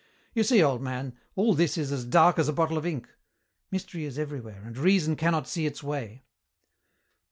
You see, old man, all this is as dark as a bottle of ink. Mystery is everywhere and reason cannot see its way."